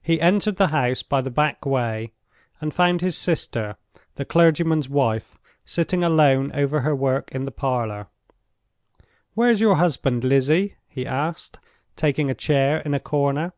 He entered the house by the back way, and found his sister, the clergyman's wife, sitting alone over her work in the parlor. "Where is your husband, Lizzie?" he asked, taking a chair in a corner.